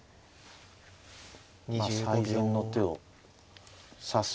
まあ最善の手を指す。